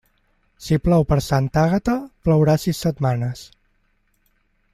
Si plou per Santa Àgata, plourà sis setmanes.